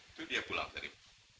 itu dia pulang sarip